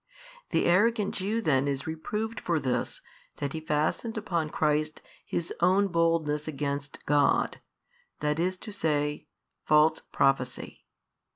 The arrogant Jew then is reproved for this that he fastened upon Christ his own boldness against God, i. e., false prophecy.